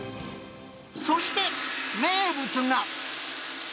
そして、名物が。